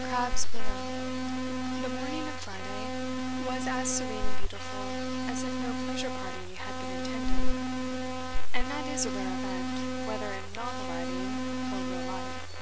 Crabbe's Borough. The morning of Friday was as serene and beautiful as if no pleasure party had been intended; and that is a rare event, whether in novel writing or real life.